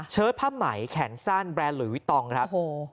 ผ้าไหมแขนสั้นแบรนด์หลุยวิตองครับ